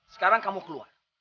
sekarang kamu keluar